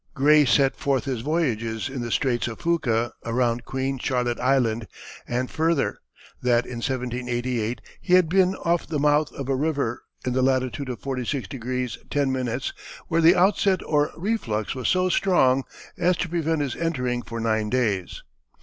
Gray set forth his voyages in the Straits of Fuca, around Queen Charlotte Island, and further, that in 1788 he had "been off the mouth of a river, in the latitude of 46° 10´, where the outset or reflux was so strong as to prevent his entering for nine days."